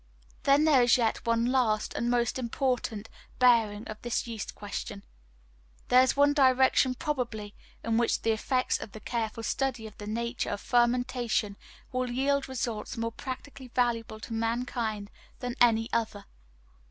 Then there is yet one last and most important bearing of this yeast question. There is one direction probably in which the effects of the careful study of the nature of fermentation will yield results more practically valuable to mankind than any other.